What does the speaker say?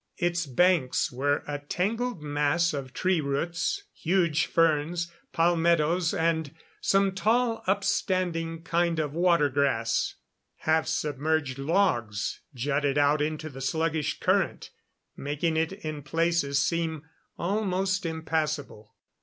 Its banks were a tangled mass of tree roots, huge ferns, palmettos and some tall upstanding kind of water grass. Half submerged logs jutted out into the sluggish current, making it in places seem almost impassable.